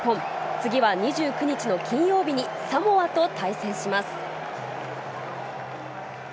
次は２９日の金曜日にサモアと対戦します。